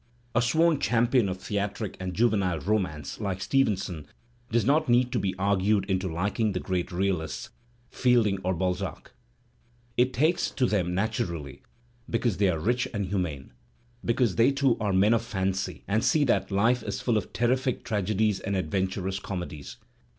A sworn champion Digitized by LjOOQIC HOWELLS 285 of theatric and juvenile romance, like Stevenson^ does not need to be argued into liking the great reaUsts, Fielding or Balzac; he takes to them naturally because they are rich and humane, because they too are men of fancy and see that life is full of terrific tragedies and adventurous comedies.